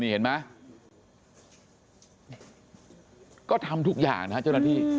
เห็นไหมก็ทำทุกอย่างนะฮะเจ้าหน้าที่